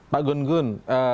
pak gun gun